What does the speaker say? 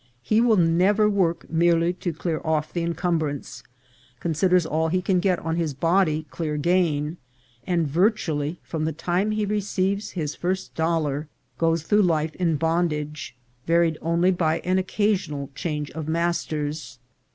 He will never work merely to clear off the encum brance, considers all he can get on his body clear gain, and virtually, from the time he receives his first dollar, goes through life in bondage, varied only by an occa sional change of masters.